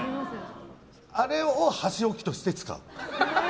あれを箸置きとして使う。